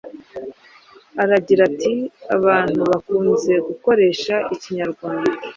Aragira ati ’’Abantu bakunze gukoresha Ikinyarwanda